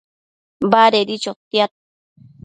Badedi chotiad